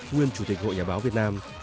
nguyên chủ tịch hội nhà báo việt nam